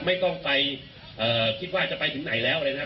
ไม่ต้องไปคิดว่าจะไปถึงไหนแล้วเลยนะครับ